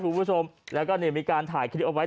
คุณผู้ชมแล้วก็มีการถ่ายคลิปไว้